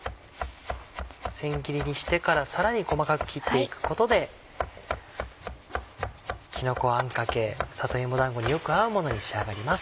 千切りにしてからさらに細かく切っていくことできのこあんかけ里芋だんごによく合うものに仕上がります。